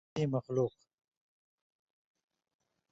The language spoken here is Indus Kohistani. قِسم قِسماں تِئیں مخلوق